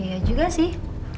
iya juga sih